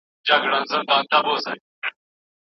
ستا له کوه قافه یې پردي قفس ته راوړمه